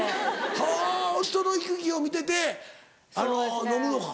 はぁ人の行き来を見てて飲むのか。